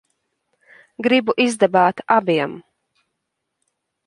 Gribu izdabāt abiem.